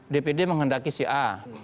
dpd menghendaki si a